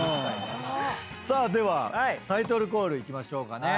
さあではタイトルコールいきましょうかね。